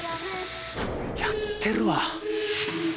「やってるわ」